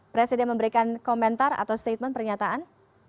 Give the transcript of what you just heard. presiden memberikan komentar atau statement pernyataan